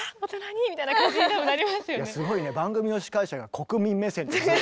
すごいね番組の司会者が国民目線という。